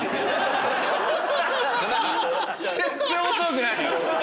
全然面白くない！